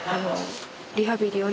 「リハビリをね